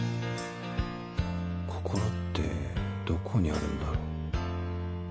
心ってどこにあるんだろう？